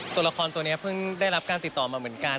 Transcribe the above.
ตัวละครตัวนี้เพิ่งได้รับการติดต่อมาเหมือนกัน